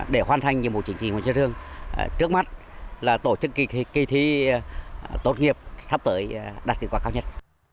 để hoàn thành những mục trình truyền thống truyền thống trước mắt là tổ chức kỳ thi tốt nghiệp sắp tới đạt kỳ quả khác